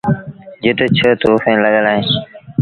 جت ڇه توڦيٚن لڳل اهيݩ۔